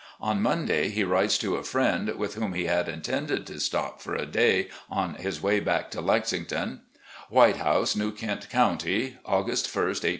On Monday, he writes to a friend, with whom he had intended to stop for a day on his way back to Lexington :" White House, New Kent County, "August I, 1869.